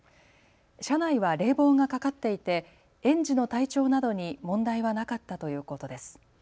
車内は冷房がかかっていて園児の体調などに問題はなかったということです。